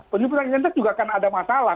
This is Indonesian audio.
penyebutan identitas juga kan ada masalah